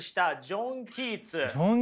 ジョン・キーツ。